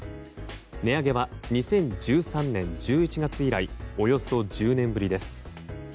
値上げは２０１３年１１月以来およそ１０年ぶりです。